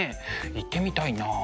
行ってみたいなあ。